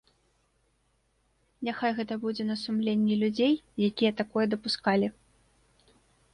Няхай гэта будзе на сумленні людзей, якія такое дапускалі.